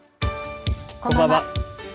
こんばんは。